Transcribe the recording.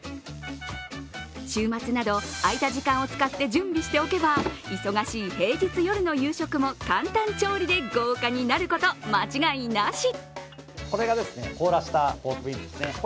週末など、空いた時間を使って準備しておけば忙しい平日夜の夕食も簡単調理で豪華になること間違いなし。